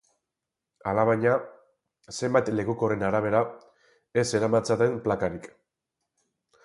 Alabaina, zenbait lekukoren arabera, ez zeramatzaten plakarik.